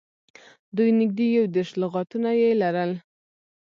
دوی نږدې یو دېرش لغاتونه یې لرل